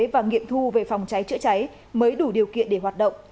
và nghiệm thu về phòng cháy chữa cháy mới đủ điều kiện để hoạt động